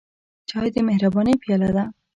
چای د مهربانۍ پیاله ده.